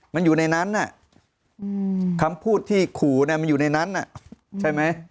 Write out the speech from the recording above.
มันอยู่ในนั้นคำพูดที่ขู่มันอยู่ในนั้นใช่ไหม